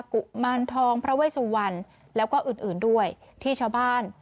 กุมารทองพระเวสุวรรณแล้วก็อื่นอื่นด้วยที่ชาวบ้าน